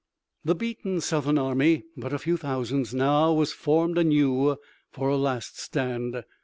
The beaten Southern army, but a few thousands, now was formed anew for a last stand.